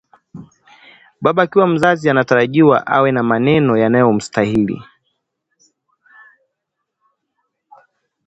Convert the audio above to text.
Baba akiwa mzazi anatarajiwa awe na maneno yanayomstahili